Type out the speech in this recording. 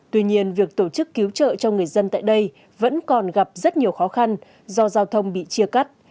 tuy nhiên việc tổ chức cứu trợ cho người dân tại đây vẫn còn gặp rất nhiều khó khăn do giao thông bị chia cắt